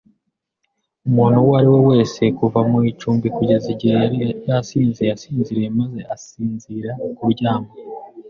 umuntu uwo ari we wese kuva mu icumbi kugeza igihe yari yasinze asinziriye maze asinzira kuryama.